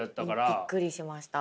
びっくりしました。